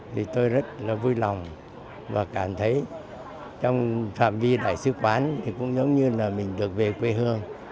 thì tôi rất là vui lòng và cảm thấy trong phạm vi đại sứ quán thì cũng giống như là mình được về quê hương